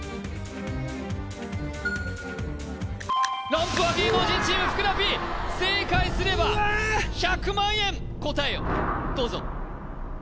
ランプは芸能人チームふくらＰ正解すれば１００万円答えをどうぞ「